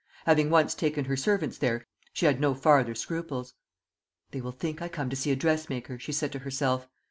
Having once taken her servants there, she had no farther scruples. "They will think I come to see a dressmaker," she said to herself.